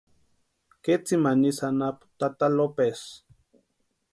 Ketsimani isï anapu tata Lopesi.